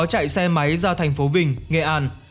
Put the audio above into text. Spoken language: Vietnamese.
ra thành phố vình nghệ an